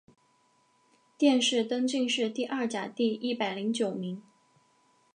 殿试登进士第二甲第一百零九名。